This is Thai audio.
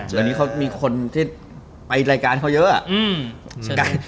แล้วนี้เขามีคนที่ไปรายการเขาเยอะอะ